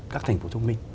các thành phố thông minh